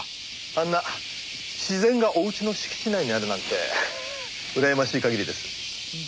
あんな自然がお家の敷地内にあるなんてうらやましい限りです。